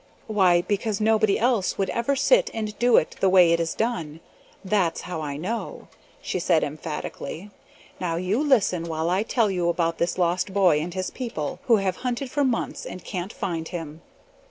"Why, because nobody else would ever sit and do it the way it is done. That's how I know," she said emphatically. "Now you listen while I tell you about this lost boy and his people, who have hunted for months and can't find him."